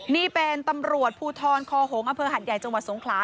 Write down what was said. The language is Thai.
นี่เป็นตำรวจภูทรคโฮงอหัดใหญ่จสงครา